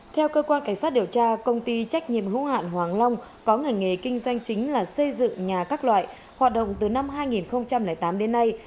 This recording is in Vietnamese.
theo cơ quan cảnh sát điều tra công ty trách nhiệm hữu hạn hoàng long có ngành nghề kinh doanh chính là xây dựng nhà các loại hoạt động từ năm hai nghìn tám đến nay